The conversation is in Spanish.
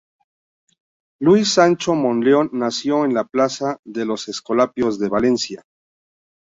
Luis Sancho Monleón nació en la Plaza de los Escolapios de Valencia.